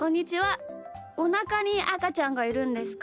おなかにあかちゃんがいるんですか？